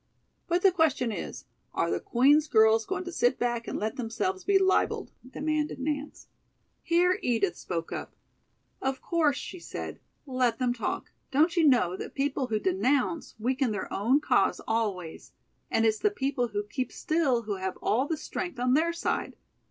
"But the question is: are the Queen's girls going to sit back and let themselves be libeled?" demanded Nance. Here Edith spoke up. "Of course," she said, "let them talk. Don't you know that people who denounce weaken their own cause always, and it's the people who keep still who have all the strength on their side?